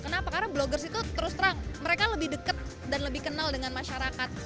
kenapa karena bloggers itu terus terang mereka lebih dekat dan lebih kenal dengan masyarakat